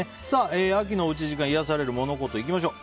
秋のおうち時間いやされるモノ・コトいきましょう。